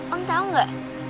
om tahu gak